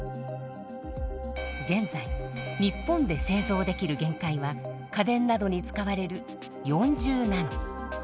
現在日本で製造できる限界は家電などに使われる４０ナノ。